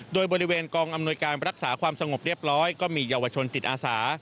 โดยบริเวณกองอำนวยการรักษาความสงบเรียบร้อยก็มีเยาวชนจิตอาสา